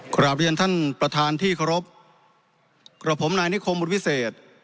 กราบเรียนท่านประธานที่เคารพกับผมนายนิคมบุญวิเศษ